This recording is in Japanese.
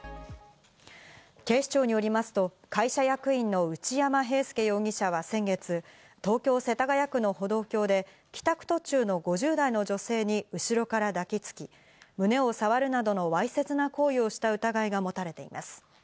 警視庁によりますと、会社役員の内山平祐容疑者は先月、東京・世田谷区の歩道橋で帰宅途中の５０代の女性に後ろから抱きつき、胸を触るなどのわいせつな行為をした疑いが持たれています。